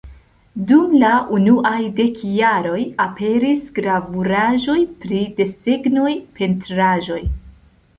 Dum la unuaj dek jaroj, aperis gravuraĵoj pri desegnoj, pentraĵoj.